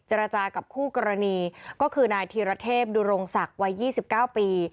รจากับคู่กรณีก็คือนายธีรเทพดุรงศักดิ์วัย๒๙ปี